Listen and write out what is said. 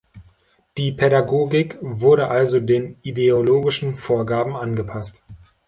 Die Pädagogik wurde also den ideologischen Vorgaben angepasst.